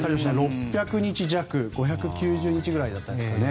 ６００日弱５９０日ぐらいだったですかね